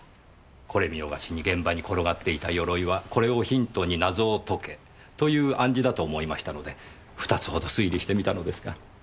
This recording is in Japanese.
これ見よがしに現場に転がっていた鎧はこれをヒントに謎を解けという暗示だと思いましたので２つほど推理してみたのですが。